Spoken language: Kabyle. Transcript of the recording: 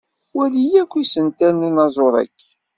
Wali akk isental n unaẓur-agi.